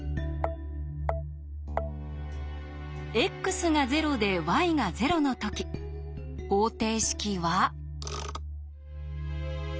ｘが０でｙが０の時方程式は。